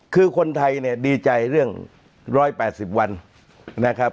คือคนไทยเนี่ยดีใจเรื่อง๑๘๐วัน